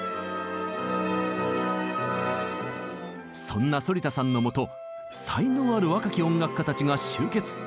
そんな反田さんのもと才能ある若き音楽家たちが集結。